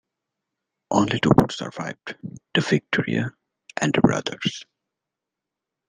Only two boats survived, the "Victoria" and the "Brothers".